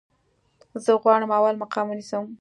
زه غواړم اول مقام ونیسم